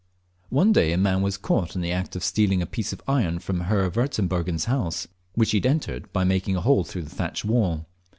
One day a man was caught in the act of stealing a piece of iron from Herr Warzbergen's house, which he had entered by making a hole through the thatch wall.